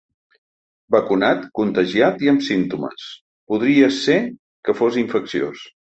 Vacunat, contagiat i amb símptomes, podria ser que fos infecciós.